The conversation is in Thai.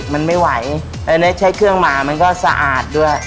มันไม่ไหวแล้วใช้เครื่องหมามันก็สะอาดด้วย